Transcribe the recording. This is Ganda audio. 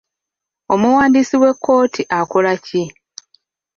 Omuwandiisi w'ekkooti akola ki?